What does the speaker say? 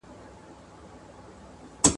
پوهه د انسان ستره شتمني ده.